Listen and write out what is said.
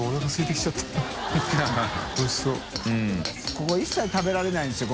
ここ一切食べられないんですよ。